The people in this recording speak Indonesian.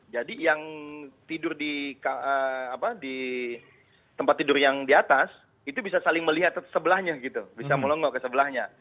jadi yang tidur di tempat tidur yang di atas itu bisa saling melihat sebelahnya gitu bisa melenggok ke sebelahnya